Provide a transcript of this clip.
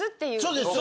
そうです。